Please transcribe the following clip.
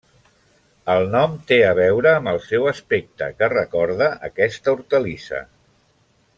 El nom té a veure amb el seu aspecte, que recorda aquesta hortalissa.